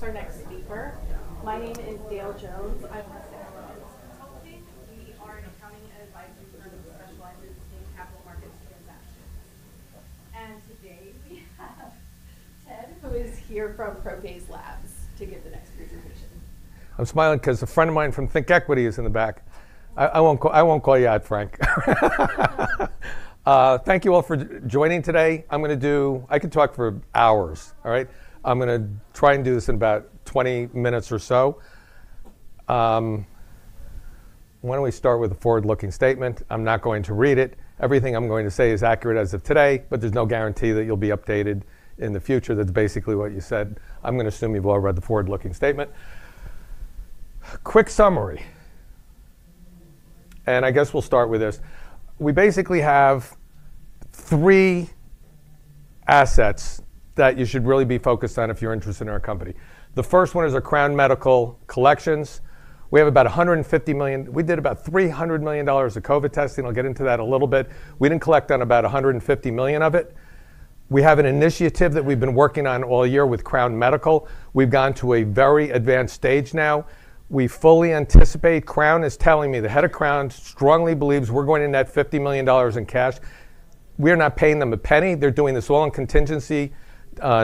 Thank you for being here. It's my pleasure to introduce our next speaker. My name is Dale Jones. I'm with Sales Consulting. We are an accounting and advisory firm that specializes in capital markets transactions. Today we have Ted who is here from ProPhase Labs to give the next presentation. I'm smiling because a friend of mine from ThinkEquity is in the back. I won't call you out, Frank. Thank you all for joining. Today I'm going to do. I could talk for hours. All right. I'm going to try and do this in about 20 minutes or so. Why don't we start with a forward looking statement. I'm not going to read it. Everything I'm going to say is accurate as of today, but there's no guarantee that you'll be updated in the future. That's basically what you said. I'm going to assume you've all read the forward looking statement. Quick summary and I guess we'll start with this. We basically have three assets that you should really be focused on if you're interested in our company. The first one is our Crown Medical collections. We have about $150 million. We did about $300 million of COVID testing. I'll get into that a little bit. We didn't collect on about $150 million of it. We have an initiative that we've been working on all year with Crown Medical. We've gone to a very advanced stage. Now we fully anticipate. Crown is telling me the head of Crown strongly believes we're going to net $50 million in cash. We're not paying them a penny. They're doing this all in contingency.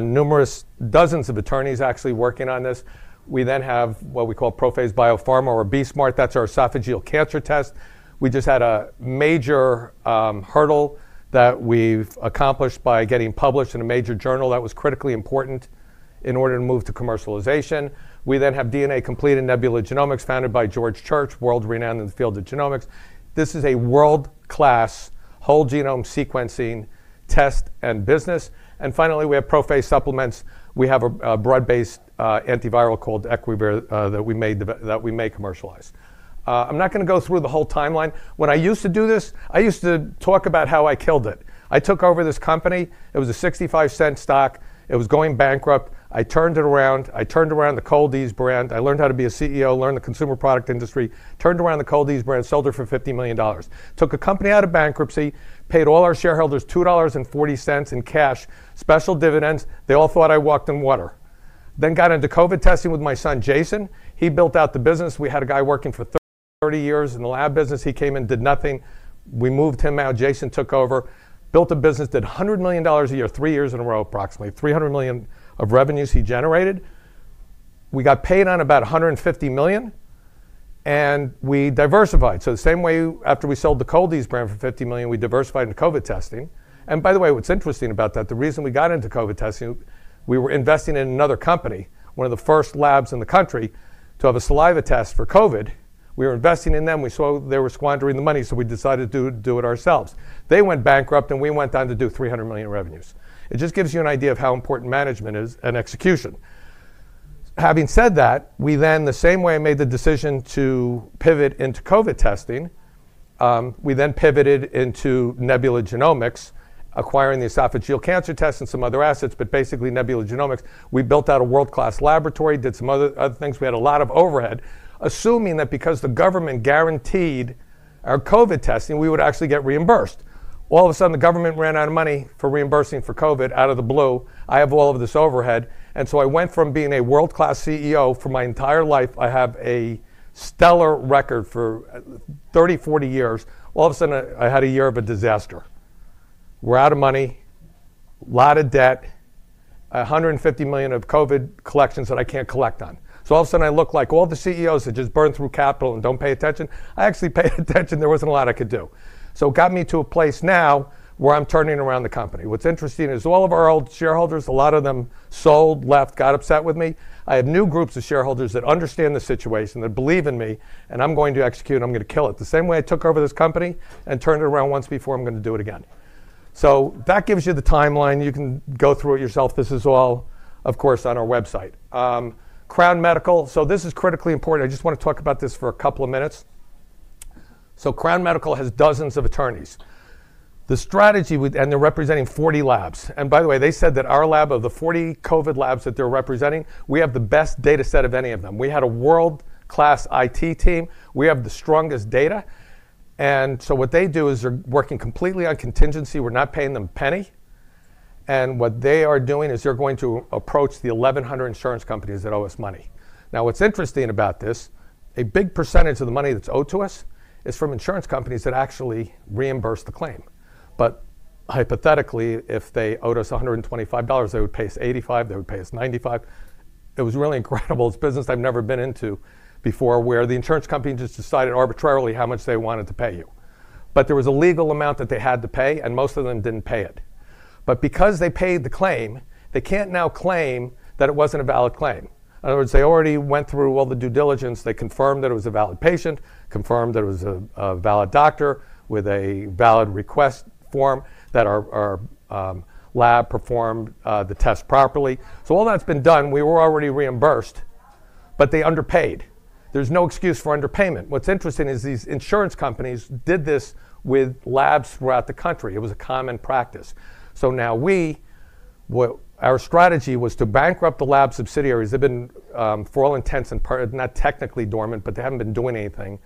Numerous dozens of attorneys actually working on this. We then have what we call ProPhase Biopharma or BE-Smart. That's our BE-Smart Esophageal Cancer Test. We just had a major hurdle that we've accomplished by getting published in a major journal. That was critically important in order to move to commercialization. We then have DNA Complete and Nebula Genomics founded by George Church, world renowned in the field of genomics. This is a world class whole genome sequencing test and business. Finally, we have ProPhase supplements. We have a broad based antiviral called Equivir that we may commercialize. I'm not going to go through the whole timeline. When I used to do this, I used to talk about how I killed it. I took over this company. It was a $0.65 stock. It was going bankrupt. I turned it around. I turned around the cold's brand. I learned how to be a CEO, learned the consumer product industry, turned around the Cold-EEZE brand, sold her for $50 million. Took a company out of bankruptcy, paid all our shareholders $2.40 in cash, special dividends. They all thought I walked in water. Got into COVID testing with my son Jason. He built out the business. We had a guy working for 30 years in the lab business. He came in, did nothing. We moved him out. Jason took over, built a business, did $100 million a year, three years in a row. Approximately $300 million of revenues he generated. We got paid on about $150 million and we diversified. The same way after we sold the Cold-EEZE brand for $50 million, we diversified into COVID testing. By the way, what's interesting about that, the reason we got into COVID testing, we were investing in another company, one of the first labs in the country to have a saliva test for COVID. We were investing in them, we saw they were squandering the money, so we decided to do it ourselves. They went bankrupt and we went on to do $300 million revenues. It just gives you an idea of how important management is and execution. Having said that, we then the same way made the decision to pivot into COVID testing. We then pivoted into Nebula Genomics, acquiring the esophageal cancer test and some other assets. Basically, Nebula Genomics, we built out a world class laboratory, did some other things. We had a lot of overhead, assuming that because the government guaranteed our COVID testing, we would actually get reimbursed. All of a sudden the government ran out of money for reimbursing for COVID. Out of the blue, I have all of this overhead. I went from being a world class CEO for my entire life. I have a stellar record for 30, 40 years. All of a sudden I had a year of a disaster. We're out of money, lot of debt, $150 million of COVID collections that I can't collect on. All of a sudden I look like all the CEOs that just burn through capital and don't pay attention. I actually paid attention. There wasn't a lot I could do. It got me to a place now where I'm turning around the company. What's interesting is all of our old shareholders, a lot of them sold, left, got upset with me. I have new groups of shareholders that understand the situation, that believe in me and I'm going to execute, I'm going to kill it the same way. I took over this company and turned it around once before. I'm going to do it again. That gives you the timeline. You can go through it yourself. This is all, of course, on our website, Crown Medical. This is critically important. I just want to talk about this for a couple of minutes. Crown Medical has dozens of attorneys, the strategy, and they're representing 40 labs. By the way, they said that our lab, of the 40 COVID labs that they're representing, we have the best data set of any of them. We had a world-class IT team, we have the strongest data. What they do is they're working completely on contingency; we're not paying them a penny. What they are doing is they're going to approach the 1,100 insurance companies that owe us money. What's interesting about this is a big % of the money that's owed to us is from insurance companies that actually reimburse the claim. Hypothetically, if they owed $125, they would pay $85, they would pay $95. It was really incredible. It's business I've never been into before where the insurance company just decided arbitrarily how much they wanted to pay you. There was a legal amount that they had to pay and most of them didn't pay it. Because they paid the claim, they can't now claim that it wasn't a valid claim. In other words, they already went through all the due diligence. They confirmed that it was a valid patient, confirmed that it was a valid doctor with a valid request form, that our lab performed the test properly. All that's been done. We were already reimbursed, but they underpaid. There's no excuse for underpayment. What's interesting is these insurance companies did this with labs throughout the country. It was a common practice. Our strategy was to bankrupt the lab subsidiaries. They've been, for all intents and part, not technically dormant, but they haven't been doing anything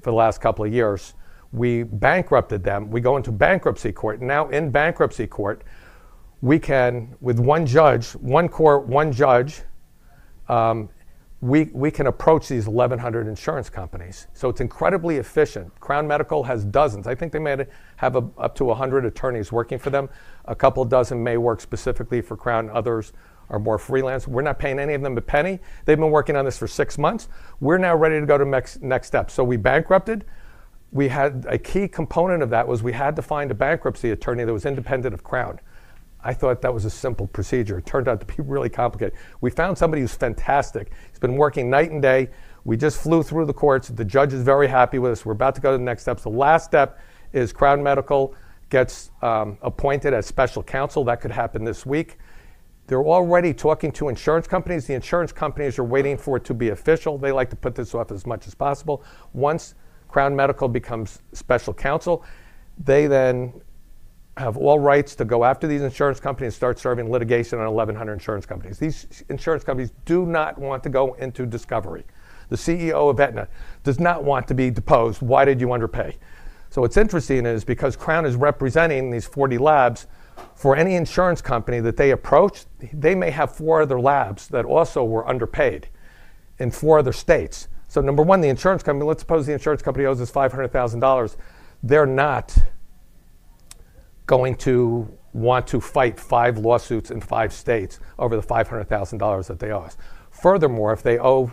for the last couple of years. We bankrupted them. We go into bankruptcy court. Now in bankruptcy court, we can, with one judge, one court, one judge, approach these 1,100 insurance companies. It's incredibly efficient. Crown Medical has dozens, I think they may have up to 100 attorneys working for them. A couple dozen may work specifically for Crown Medical. Others are more freelance. We're not paying any of them a penny. They've been working on this for six months. We're now ready to go to the next step. We had a key component of that. We had to find a bankruptcy attorney that was independent of Crown Medical. I thought that was a simple procedure. It turned out to be really complicated. We found somebody who's fantastic. He's been working night and day. We just flew through the courts. The judge is very happy with us. We're about to go to the next steps. The last step is Crown Medical gets appointed as special counsel. That could happen this week. They're already talking to insurance companies. The insurance companies are waiting for it to be official. They like to put this off as much as possible. Once Crown Medical becomes special counsel, they then have all rights to go after these insurance companies, start serving litigation on 1,100 insurance companies. These insurance companies do not want to go into discovery. The CEO of Aetna does not want to be deposed. Why did you underpay? What's interesting is because Crown is representing these 40 labs, for any insurance company that they approach, they may have four other labs that also were underpaid in four other states. Number one, the insurance company. Let's suppose the insurance company owes us $500,000. They're not going to want to fight five lawsuits in five states over the $500,000 that they owe us. Furthermore, if they owe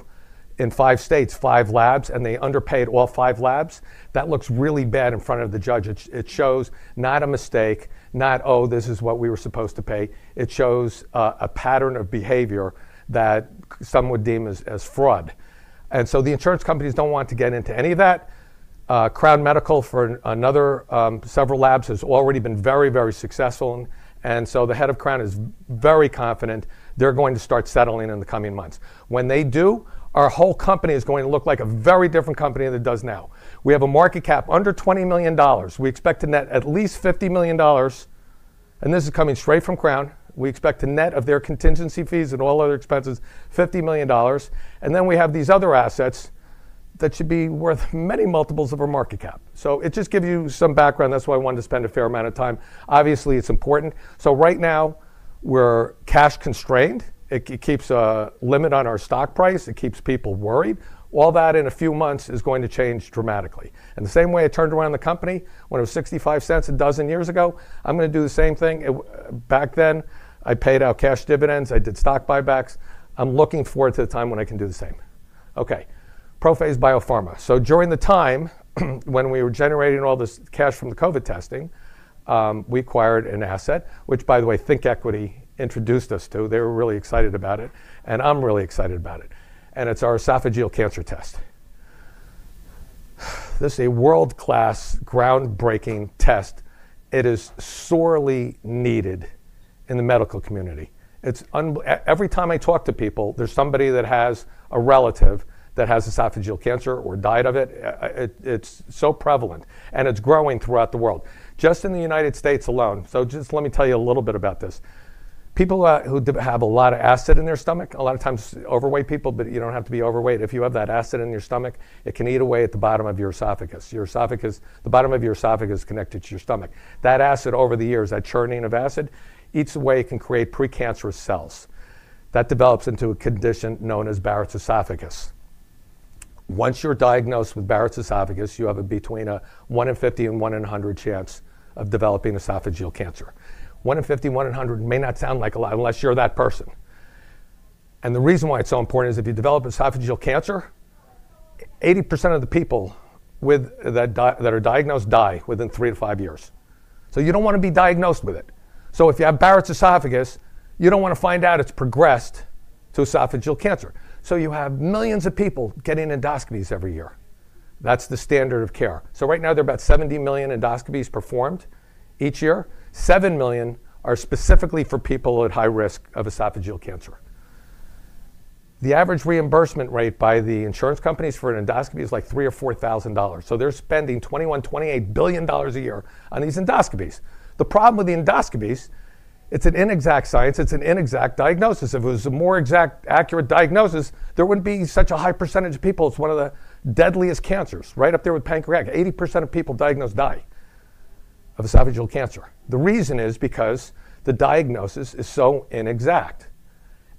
in five states five labs and they underpaid all five labs, that looks really bad in front of the judge. It shows not a mistake, not, oh, this is what we were supposed to pay. It shows a pattern of behavior that some would deem as fraud. The insurance companies don't want to get into any of that. Crown Medical, for another several labs, has already been very, very successful. The head of Crown is very confident they're going to start settling in the coming months. When they do, our whole company is going to look like a very different company than it does now. We have a market cap under $20 million. We expect to net at least $50 million. This is coming straight from Crown. We expect the net of their contingency fees and all other expenses, $50 million. We have these other assets that should be worth many multiples of our market cap. It just gives you some background. That's why I wanted to spend a fair amount of time. Obviously, it's important. Right now, we're cash constrained. It keeps a limit on our stock price. It keeps people worried. All that in a few months is going to change dramatically. In the same way it turned around the company when it was $0.65 a dozen years ago, I'm going to do the same thing. Back then, I paid out cash dividends. I did stock buybacks. I'm looking forward to the time when I can do the same. Okay. ProPhase Biopharma. During the time when we were generating all this cash from the COVID testing, we acquired an asset which, by the way, ThinkEquity introduced us to. They were really excited about it, and I'm really excited about it. It's our esophageal cancer test. This is a world-class, groundbreaking test. It is sorely needed in the medical community. Every time I talk to people, there's somebody that has a relative that has esophageal cancer or died of it. It's so prevalent and it's growing throughout the world, just in the U.S. alone. Let me tell you a little bit about this. People who have a lot of acid in their stomach, a lot of times overweight people. You don't have to be overweight. If you have that acid in your stomach, it can eat away at the bottom of your esophagus. The bottom of your esophagus is connected to your stomach. That acid, over the years, that churning of acid eats away, can create precancerous cells that develops into a condition known as Barrett's esophagus. Once you're diagnosed with Barrett's esophagus, you have between a 1 in 50 and 1 in 100 chance of developing esophageal cancer. 1 in 50. 1 in 100 may not sound like a lot unless you're that person. The reason why it's so important is if you develop esophageal cancer, 80% of the people that are diagnosed die within three to five years. You don't want to be diagnosed with it. If you have Barrett's esophagus, you don't want to find out it's progressed to esophageal cancer. You have millions of people getting endoscopies every year. That's the standard of care. Right now there are about 70 million endoscopies performed each year. Seven million are specifically for people at high risk of esophageal cancer. The average reimbursement rate by the insurance companies for an endoscopy is like $3,000 or $4,000. They're spending $21 billion-$28 billion a year on these endoscopies. The problem with the endoscopies, it's an inexact science, it's an inexact diagnosis. If it was a more exact, accurate diagnosis, there wouldn't be such a high percentage of people, it's one of the deadliest cancers right up there with pancreatic. 80% of people diagnosed die of esophageal cancer. The reason is because the diagnosis is so inexact,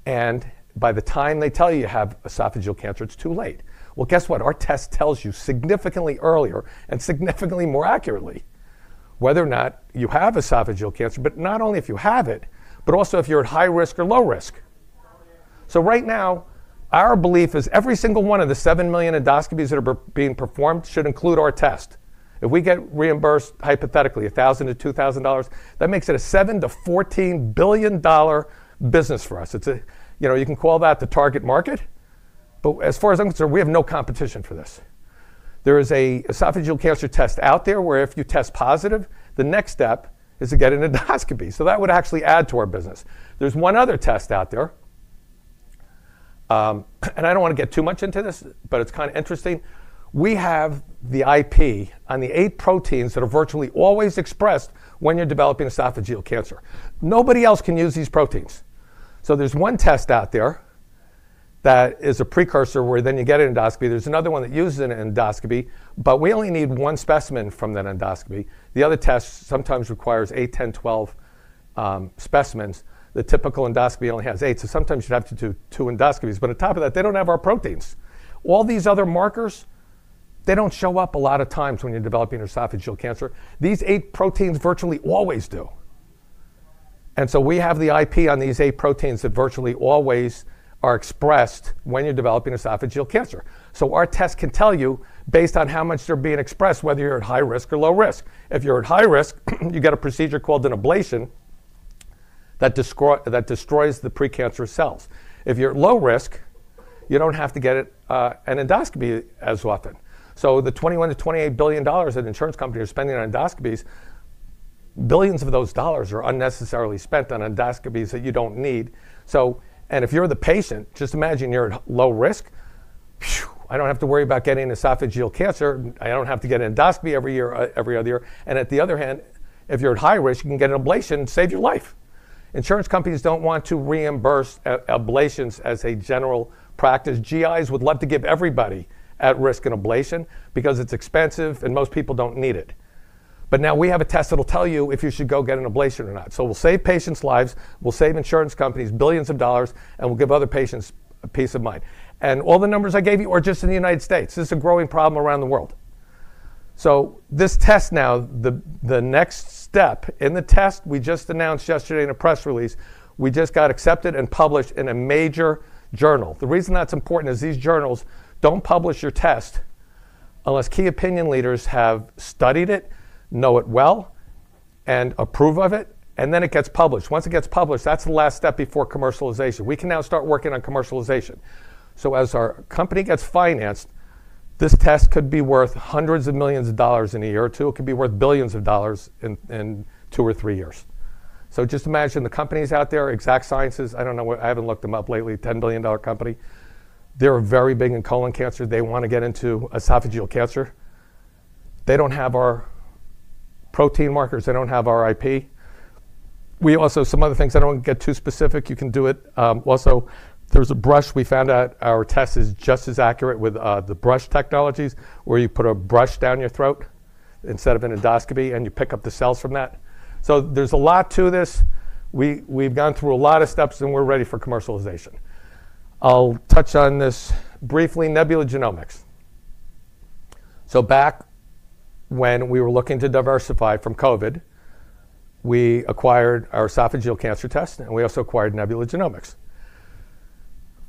and by the time they tell you you have esophageal cancer, it's too late. Our test tells you significantly earlier and significantly more accurately whether or not you have esophageal cancer, but not only if you have it, but also if you're at high risk or low risk. Right now, our belief is every single one of the 7 million endoscopies that are being performed should include our test. If we get reimbursed, hypothetically, $1,000-$2,000, that makes it a $7 billion-$14 billion business for us. You can call that the target market, but as far as I'm concerned, we have no competition for this. There is an esophageal cancer test out there where if you test positive, the next step is to get an endoscopy. That would actually add to our business. There's one other test out there, and I don't want to get too much into this, but it's kind of interesting. We have the IP on the eight proteins that are virtually always expressed when you're developing esophageal cancer. Nobody else can use these proteins. There's one test out there that is a precursor where then you get an endoscopy. There's another one that uses an endoscopy, but we only need one specimen from that endoscopy. The other test sometimes requires 8, 10, 12 specimens. The typical endoscopy only has 8. Sometimes you'd have to do two endoscopies. On top of that, they don't have our proteins. All these other markers, they don't show up. A lot of times when you're developing esophageal cancer, these eight proteins virtually always do. We have the IP on these eight proteins that virtually always are expressed when you're developing esophageal cancer. Our test can tell you, based on how much they're being expressed, whether you're at high risk or low risk. If you're at high risk, you get a procedure called an ablation that destroys the precancerous cells. If you're low risk, you don't have to get an endoscopy as often. The $21 billion-$28 billion that insurance companies are spending on endoscopies, billions of those dollars are unnecessarily spent on endoscopies that you don't need. If you're the patient, just imagine you're at low risk. I don't have to worry about getting esophageal cancer. I don't have to get endoscopy every other year. On the other hand, if you're at high risk, you can get an ablation and save your life. Insurance companies don't want to reimburse ablations as a general practice. GIS would love to give everybody at risk an ablation because it's expensive and most people don't need it. Now we have a test that will tell you if you should go get an ablation or not. We'll save patients' lives, we'll save insurance companies billions of dollars, and we'll give other patients peace of mind. All the numbers I gave you are just in the U.S. This is a growing problem around the world. This test, now the next step in the test, we just announced yesterday in a press release. We just got accepted and published in a major journal. The reason that's important is these journals don't publish your test unless key opinion leaders have studied it, know it well, and approve of it. It gets published. Once it gets published, that's the last step before commercialization. We can now start working on commercialization. As our company gets financed, this test could be worth hundreds of millions of dollars in a year or two. It could be worth billions of dollars in two or three years. Just imagine the companies out there, Exact Sciences, I don't know what, I haven't looked them up lately. $10 billion company, they're very big in colon cancer. They want to get into esophageal cancer. They don't have our protein markers, they don't have our IP. We also have some other things, I don't want to get too specific. You can do it also, there's a brush. We found out our test is just as accurate with the brush technologies, where you put a brush down your throat instead of an endoscopy and you pick up the cells from that. There's a lot to this. We've gone through a lot of steps and we're ready for commercialization. I'll touch on this briefly. Nebula Genomics. Back when we were looking to diversify from COVID, we acquired our esophageal cancer test and we also acquired Nebula Genomics,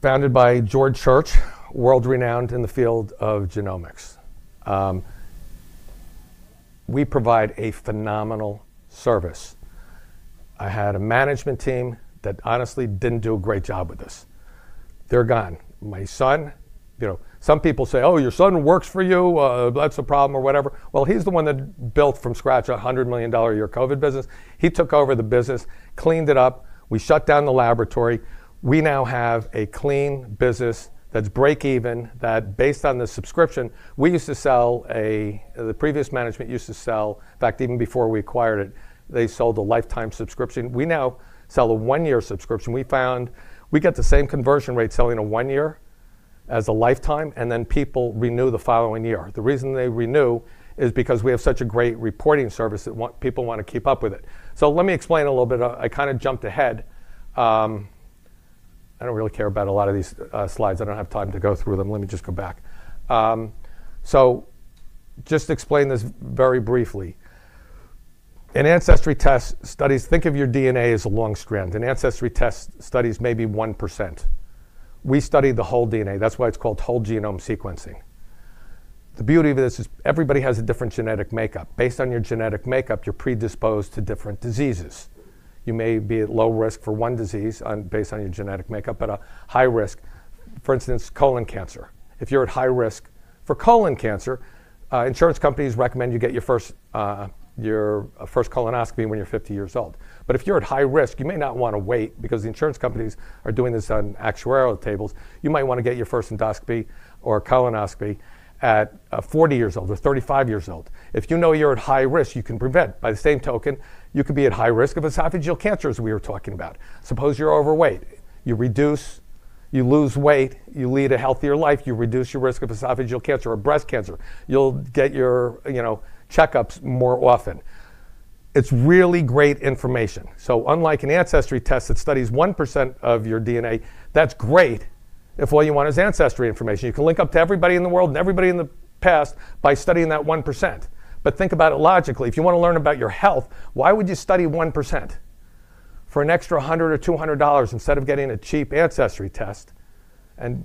founded by George Church, world renowned in the field of genomics. We provide a phenomenal service. I had a management team that honestly didn't do a great job with this. They're gone. My son, you know, some people say, oh, your son works for you, that's a problem, or whatever. He's the one that built from scratch $100 million a year COVID business. He took over the business, cleaned it up. We shut down the laboratory. We now have a clean business that's break even. That based on the subscription we used to sell, the previous management used to sell. In fact, even before we acquired it, they sold a lifetime subscription. We now sell a one year subscription. We found we get the same conversion rate selling in one year as a lifetime. People renew the following year. The reason they renew is because we have such a great reporting service that people want to keep up with it. Let me explain a little bit. I kind of jumped ahead. I don't really care about a lot of these slides. I don't have time to go through them. Let me just go back. Just explain this very briefly. In ancestry test studies, think of your DNA as a long strand. In ancestry test studies, maybe 1%. We studied the whole DNA. That's why it's called whole genome sequencing. The beauty of this is everybody has a different genetic makeup. Based on your genetic makeup, you're predisposed to different diseases. You may be at low risk for one disease based on your genetic makeup, but a high risk, for instance, colon cancer. If you're at high risk for colon cancer, insurance companies recommend you get your first colonoscopy when you're 50 years old. If you're at high risk, you may not want to wait because the insurance companies are doing this on actuarial tables. You might want to get your first endoscopy or colonoscopy at 40 years old or 35 years old. If you know you're at high risk, you can prevent. By the same token, you could be at high risk of esophageal cancer. As we were talking about, suppose you're overweight, you reduce, you lose weight, you lead a healthier life, you reduce your risk of esophageal cancer or breast cancer, you'll get your checkups more often. It's really great information. Unlike an ancestry test that studies 1% of your DNA, that's great. If all you want is ancestry information, you can link up to everybody in the world and everybody in the past by studying that 1%. Think about it logically. If you want to learn about your health, why would you study 1% for an extra $100-$200 instead of getting a cheap ancestry test?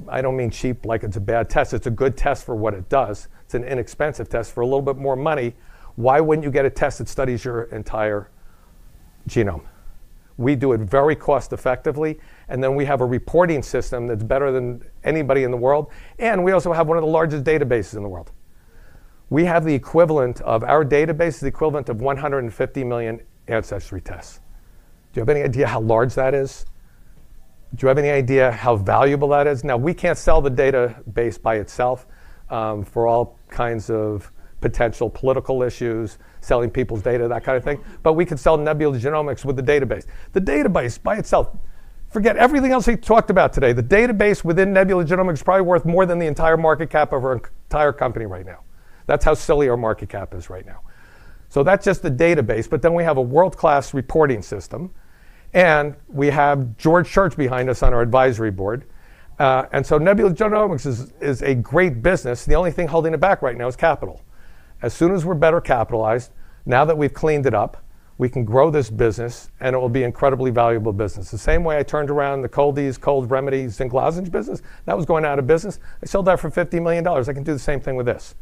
I don't mean cheap like it's a bad test. It's a good test for what it does. It's an inexpensive test. For a little bit more money, why wouldn't you get a test that studies your entire genome? We do it very cost effectively. We have a reporting system that's better than anybody in the world. We also have one of the largest databases in the world. We have the equivalent of our database, the equivalent of 150 million ancestry tests. Do you have any idea how large that is? Do you have any idea how valuable that is? We can't sell the database by itself for all kinds of potential political issues, selling people's data, that kind of thing. We could sell Nebula Genomics with the database. The database by itself, forget everything else he talked about today, the database within Nebula Genomics probably worth more than the entire market cap of our entire company right now. That's how silly our market cap is right now. That's just the database, but then we have a world class reporting system and we have George Church behind us on our advisory board. Nebula Genomics is a great business. The only thing holding it back right now is capital. As soon as we're better capitalized, now that we've cleaned it up, we can grow this business and it will be an incredibly valuable business. The same way I turned around the Cold-EEZE cold remedy zinc lozenge business that was going out of business. I sold that for $50 million. I can do the same thing with this.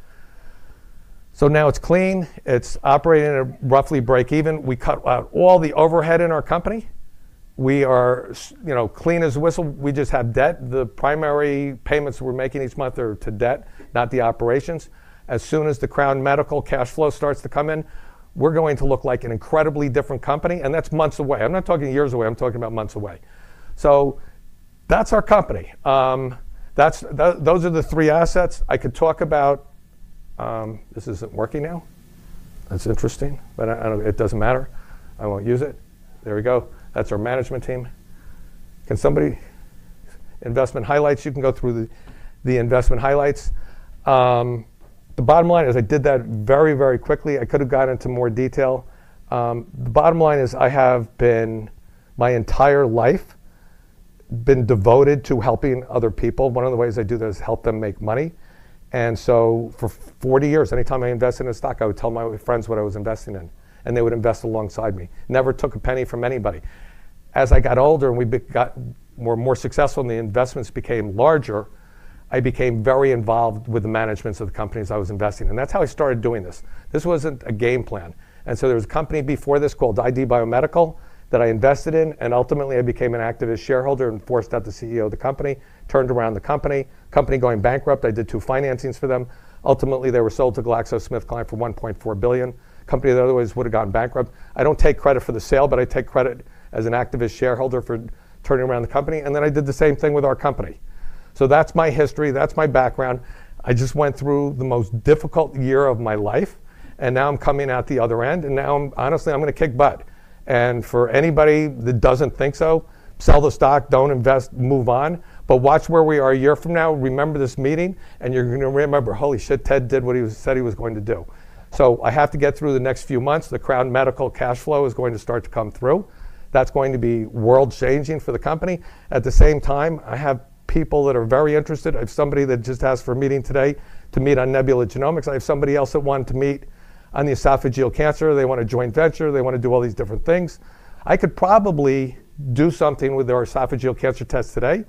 Now it's clean. It's operating at roughly break even. We cut out all the overhead in our company. We are clean as a whistle. We just have debt. The primary payments we're making each month are to debt, not the operations. As soon as the Crown Medical cash flow starts to come in, we're going to look like an incredibly different company. That's months away. I'm not talking years away. I'm talking about months away. That's our company. Those are the three assets I could talk about. This isn't working. That's interesting, but it doesn't matter. I won't use it. There we go. That's our management team. Can somebody investment highlights. You can go through the investment highlights. The bottom line is I did that very, very quickly. I could have gone into more detail. The bottom line is I have been my entire life been devoted to helping other people. One of the ways I do this, help them make money. For 40 years, anytime I invested in a stock, I would tell my friends what I was investing in and they would invest alongside me. Never took a penny from anybody. As I got older and we got more successful and the investments became larger, I became very involved with the managements of the companies I was investing in. That's how I started doing this. This wasn't a game plan. There was a company before this called ID Biomedical that I invested in. Ultimately I became an activist shareholder and forced out the CEO of the company, turned around the company. Company going bankrupt. I did two financings for them. Ultimately they were sold to GlaxoSmithKline for $1.4 billion, a company that otherwise would have gone bankrupt. I don't take credit for the sale, but I take credit as an activist shareholder for turning around the company. Then I did the same thing with our company. That's my history, that's my background. I just went through the most difficult year of my life and now I'm coming out the other end. Now honestly, I'm going to kick butt. For anybody that doesn't think so, sell the stock, don't invest, move on. Watch where we are a year from now. Remember this meeting and you're going to remember. Holy shit. Ted did what he said he was going to do. I have to get through the next few months. The Crown Medical cash flow is going to start to come through. That's going to be world changing for the company. At the same time, I have people that are very interested. I have somebody that just asked for a meeting today to meet on Nebula Genomics. I have somebody else that wanted to meet on the esophageal cancer. They want a joint venture, they want to do all these different things. I could probably do something with our esophageal cancer test today,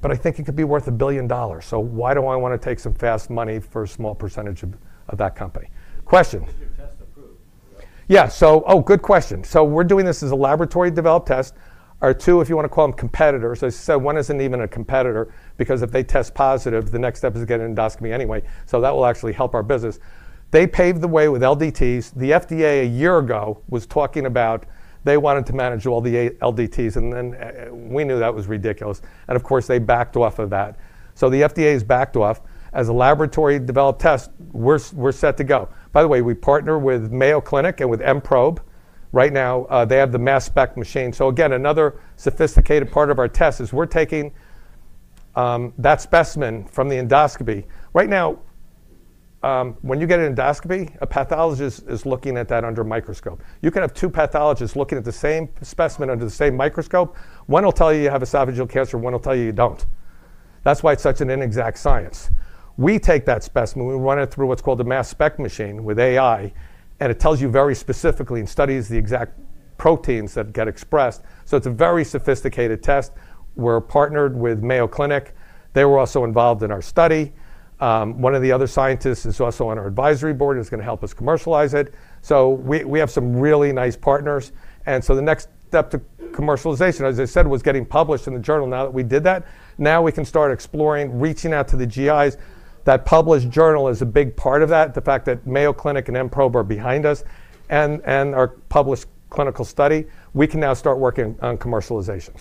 but I think it could be worth a billion dollars. Why do I want to take some fast money for a small percentage of that company? Question, is your test approved? Yeah, good question. We're doing this as a laboratory developed test. Our two, if you want to call them competitors, I said one isn't even a competitor because if they test positive, the next step is to get an endoscopy anyway. That will actually help our business. They paved the way with LDTs. The FDA a year ago was talking about they wanted to manage all the LDTs and then we knew that was ridiculous. Of course, they backed off of that. The FDA has backed off. As a laboratory developed test, we're set to go. By the way, we partner with Mayo Clinic and with M Probe. Right now they have the mass spec machine. Another sophisticated part of our test is we're taking that specimen from the endoscopy. Right now when you get an endoscopy, a pathologist is looking at that under microscope. You can have two pathologists looking at the same specimen under the same microscope or one will tell you you have esophageal cancer, one will tell you you don't. That's why it's such an inexact science. We take that specimen, we run it through what's called a mass spec machine with AI and it tells you very specifically and studies the exact proteins that get expressed. It's a very sophisticated test. We're partnered with Mayo Clinic, they were also involved in our study. One of the other scientists is also on our advisory board, is going to help us commercialize it. We have some really nice partners. The next step to commercialization, as I said, was getting published in the journal. Now that we did that, now we can start exploring. Reaching out to the GIs, that published journal is a big part of that. The fact that Mayo Clinic and M Probe are behind us and our published clinical study, we can now start working on commercialization.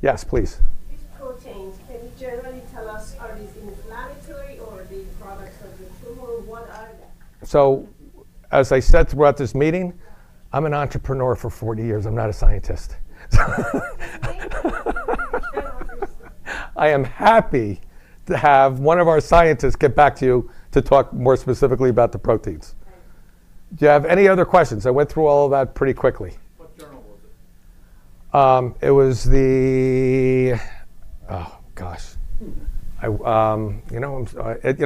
Yes, please. These proteins, can you generally tell us, are these inflammatory, or are these products of the tumor, one argument. As I said throughout this meeting, I'm an entrepreneur for 40 years. I'm not a scientist. I am happy to have one of our scientists get back to you to talk more specifically about the proteins. Do you have any other questions? I went through all that pretty quickly. What journal was it? Oh gosh, you know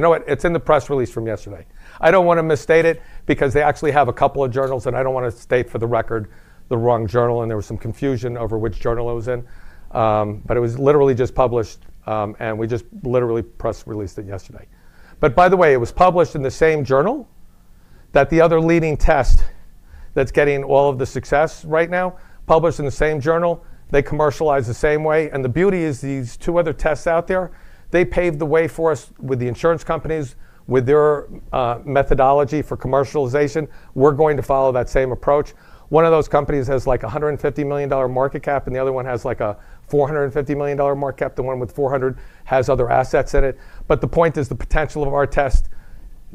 what? It's in the press release from yesterday. I don't want to misstate it because they actually have a couple of journals and I don't want to state for the record the wrong journal. There was some confusion over which journal it was in, but it was literally just published and we just literally press released it yesterday. By the way, it was published in the same journal that the other leading test that's getting all of the success right now published in, the same journal. They commercialize the same way. The beauty is these two other tests out there paved the way for us with the insurance companies with their methodology for commercialization. We're going to follow that same approach. One of those companies has like a $150 million market cap, and the other one has like a $450 million market cap. The one with $450 million has other assets in it. The point is the potential of our test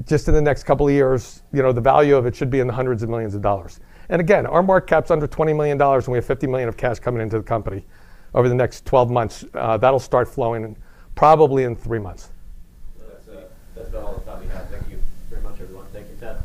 just in the next couple of years, the value of it should be in the hundreds of millions of dollars. Again, our market cap's under $20 million, and we have $50 million of cash coming into the company over the next 12 months. That'll start flowing probably in three months. That's about all the time we have. Thank you very much, everyone. Thank you, Ted.